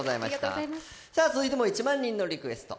続いても１万人のリクエスト。